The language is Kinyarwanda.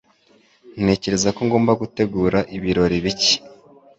Ntekereza ko ngomba gutegura ibirori bike.